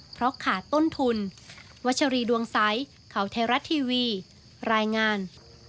เพราะขาดต้นทุนวัชรีดวงไซค์เขาเทราะทีวีรายงาน